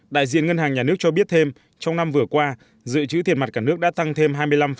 đại diện ngân hàng nhà nước cho biết thêm trong năm vừa qua dự trữ tiền mặt cả nước đã tăng thêm hai mươi năm